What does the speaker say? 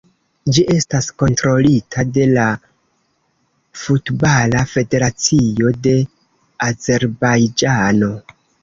Ĝi estas kontrolita de la Futbala Federacio de Azerbajĝano.